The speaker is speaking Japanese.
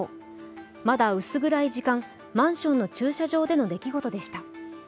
まだ薄暗い時間マンションの駐車場での出来事でした。